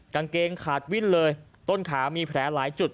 กางเกงขาดวิ่นเลยต้นขามีแผลหลายจุด